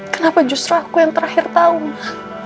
kenapa justru aku yang terakhir tau ma